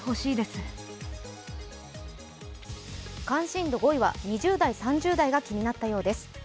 関心度５位は２０代、３０代が気になったようです。